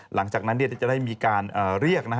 หลังจากนั้นจะได้มีการเรียกนะฮะ